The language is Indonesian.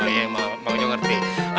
oh iya mak mak udah ngerti